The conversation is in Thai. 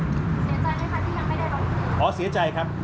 เสียใจไหมคะที่ยังไม่ได้รถจักรยาน